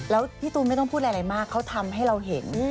แล้วพี่ตูนไม่ต้องพูดอะไรมากเขาทำให้เราเห็น